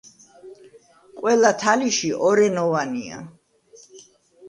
ყველა თალიში ორენოვანია.